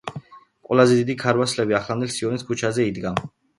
ყველაზე დიდი ქარვასლები ახლანდელ სიონის ქუჩაზე იდგა.